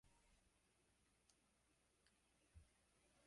Juega de portero y su equipo actual es Clan Juvenil.